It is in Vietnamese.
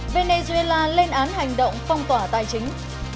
venezuela lên án hành động phong tỏa tài chính